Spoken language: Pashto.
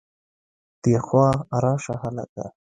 دېخوا راشه هلکه